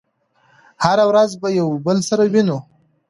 هره ورځ به يو بل سره وينو